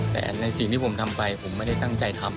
แต่ในสิ่งที่ผมทำไปผมไม่ได้ตั้งใจทำ